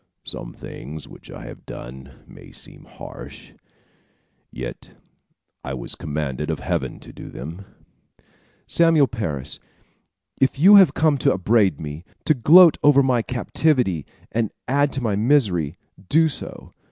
Some things which I have done may seem harsh; yet I was commanded of Heaven to do them." "Samuel Parris, if you have come to upbraid me, to gloat over my captivity and add to my misery, do so.